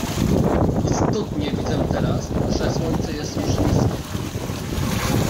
"Istotnie widzę teraz, że słońce jest już nisko."